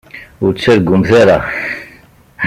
Ur ttargumt ara.